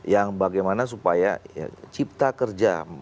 yang bagaimana supaya cipta kerja